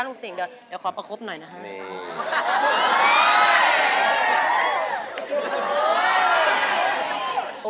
ลุงสนิงเดี๋ยวขอประคบหน่อยนะฮะ